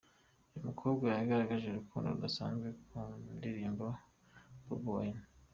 Uyu mukobwa yagaragaje urukundo rudasanzwe ku ndirimbo za Bobi Wine.